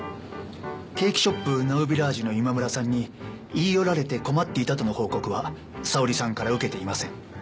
ケーキショップ・ナウビラージュの今村さんに言い寄られて困っていたとの報告は沙織さんから受けていません。